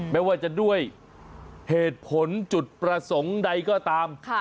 ไม่ว่าจะด้วยเหตุผลจุดประสงค์ใดก็ตาม